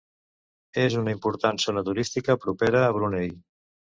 És una important zona turística propera a Brunei.